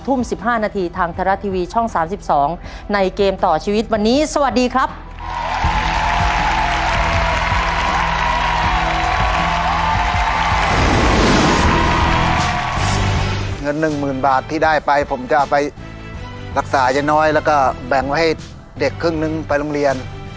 ทอดมันจานใดต่อไปนี้ที่มีส่วนผสมของหัวปลี